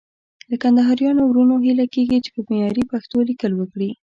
له کندهاريانو وروڼو هيله کېږي چې په معياري پښتو ليکل وکړي.